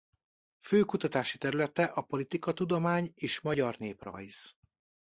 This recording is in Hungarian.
Fő kutatási területe a politikatudomány és magyar néprajz.